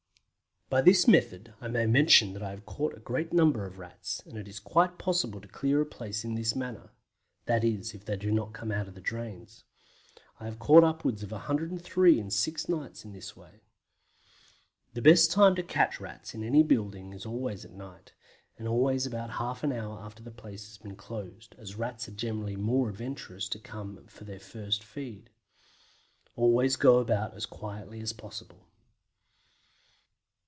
By this method I may mention that I have caught a great number of Rats, and it is quite possible to clear a place in this manner: that is, if they do not come out of the drains. I have caught upwards of 103 in six nights in this way. The best time to catch Rats in any building is always at night, and always about half an hour after the place has been closed, as Rats are generally more adventurous to come for their first feed. Always go about as quietly as possible.